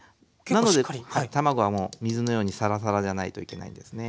なので卵はもう水のようにサラサラじゃないといけないんですね。